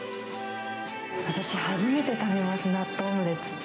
私、初めて食べます、納豆オムレツ。